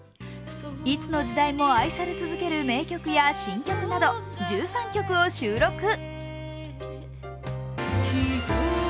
いつの時代も愛され続ける名曲や新曲な１３曲を収録。